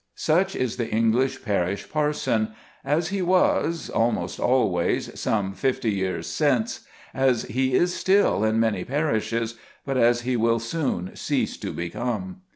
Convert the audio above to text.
Such is the English parish parson, as he was almost always some fifty years since, as he is still in many parishes, but as he will soon cease to become.